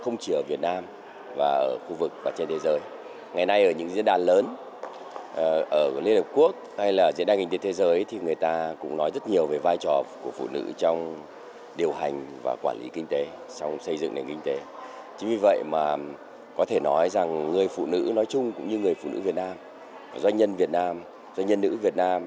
người phụ nữ nói chung cũng như người phụ nữ việt nam doanh nhân việt nam doanh nhân nữ việt nam